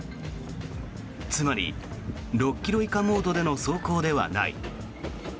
つまり、６ｋｍ以下モードでの走行ではない。